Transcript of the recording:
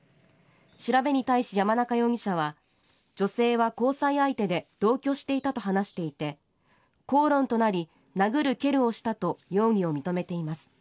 調べに対し、山中容疑者は女性は交際相手で同居していたと話していて口論となり、殴る蹴るをしたと容疑を認めています。